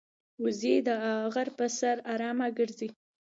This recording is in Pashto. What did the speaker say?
وزې د غره پر سر آرامه ګرځي